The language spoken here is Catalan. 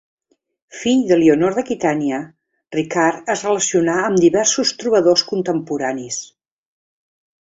Fill d'Elionor d'Aquitània, Ricard es relacionà amb diversos trobadors contemporanis.